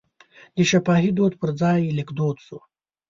د شفاهي دود پر ځای لیک دود شو.